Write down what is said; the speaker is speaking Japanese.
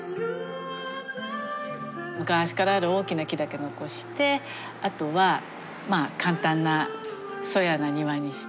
昔からある大きな木だけ残してあとはまあ簡単な粗野な庭にして。